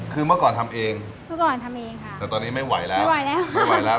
คือเมื่อก่อนทำเองเมื่อก่อนทำเองค่ะแต่ตอนนี้ไม่ไหวแล้วไม่ไหวแล้วไม่ไหวแล้ว